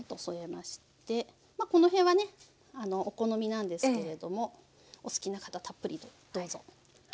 まあこの辺はねお好みなんですけれどもお好きな方たっぷりとどうぞ。